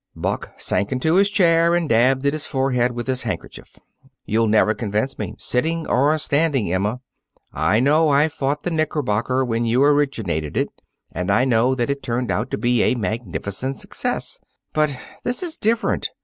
Buck sank into his chair and dabbed at his forehead with his handkerchief. "You'll never convince me, sitting or standing. Emma, I know I fought the knickerbocker when you originated it, and I know that it turned out to be a magnificent success. But this is different.